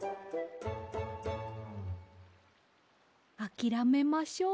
あきらめましょう。